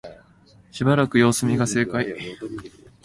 しばらく様子見が正解